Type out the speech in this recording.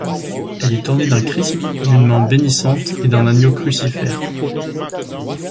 Elle est ornée d’un chrisme, d’une main bénissante et d’un agneau crucifère.